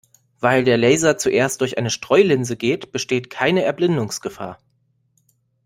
Weil der Laser zuerst durch eine Streulinse geht, besteht keine Erblindungsgefahr.